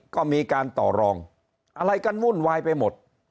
ก็มีการต่อรองอะไรกันวุ่นวายไปหมด